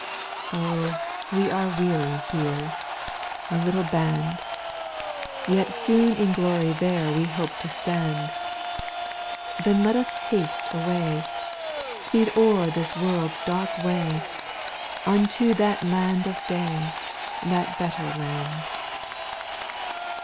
Oh 1 we are weary here, A litlle band. SPIRITUAL SONGS. Vll Yet soon in glory there We hope to stand ; Then let us haste away, Speed o'er this world's dark way, Unto that land of day — That better land.